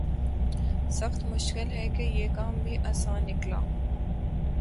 سخت مشکل ہے کہ یہ کام بھی آساں نکلا